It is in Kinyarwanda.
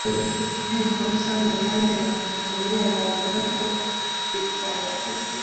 Nteko Rusange kandi bafite uburenganzira bwo gutora